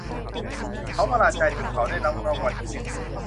เขาประหลาดใจที่เขาได้รับรางวัลที่หนึ่ง